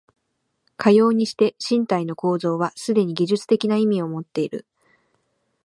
かようにして身体の構造はすでに技術的な意味をもっている。